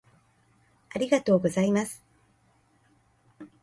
ありがとうございます